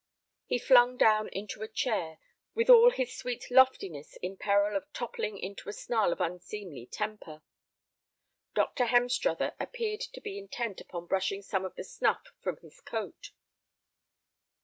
He flung down into a chair, with all his sweet loftiness in peril of toppling into a snarl of unseemly temper. Dr. Hemstruther appeared to be intent upon brushing some of the snuff from his coat.